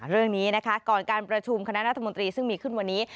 เรื่องนี้นะคะก่อนการประชุมคณะรัฐมนตรีซึ่งมีขึ้นวันนี้